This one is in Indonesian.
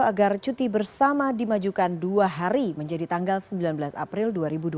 agar cuti bersama dimajukan dua hari menjadi tanggal sembilan belas april dua ribu dua puluh